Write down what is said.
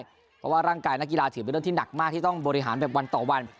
เพราะว่าร่างกายนักกีฬาถือเป็นเรื่องที่หนักมากที่ต้องบริหารแบบวันต่อวัน